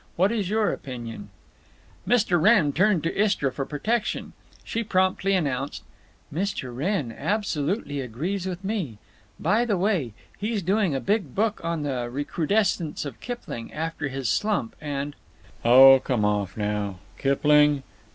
What is your opinion?" Mr. Wrenn turned to Istra for protection. She promptly announced: "Mr. Wrenn absolutely agrees with me. By the way, he's doing a big book on the recrudescence of Kipling, after his slump, and—" "Oh, come off, now! Kipling!